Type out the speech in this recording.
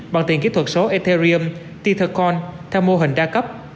bằng tiền kỹ thuật số ethereum tethercoin theo mô hình đa cấp